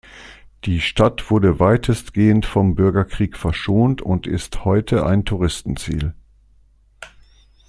Die Stadt wurde weitestgehend vom Bürgerkrieg verschont und ist heute ein Touristenziel.